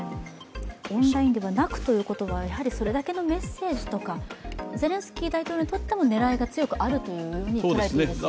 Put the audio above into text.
オンラインではなくということは、それだけのメッセージとかゼレンスキー大統領にとっても狙いが強くあると考えていいですね？